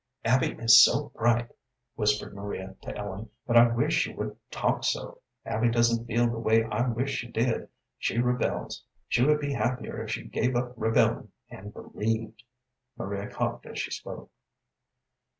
"Abby is so bright," whispered Maria to Ellen, "but I wish she wouldn't talk so. Abby doesn't feel the way I wish she did. She rebels. She would be happier if she gave up rebelling and believed." Maria coughed as she spoke.